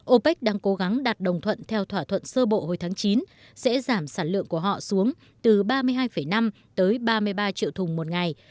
opec đang cố gắng đạt đồng thuận theo thỏa thuận sơ bộ hồi tháng chín sẽ giảm sản lượng của họ xuống từ ba mươi hai năm tới ba mươi ba triệu thùng một ngày